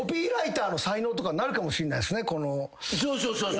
そうそうそうそう。